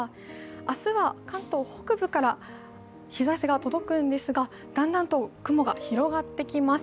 明日は関東北部から日ざしが届くんですが、だんだんと雲が広がってきます。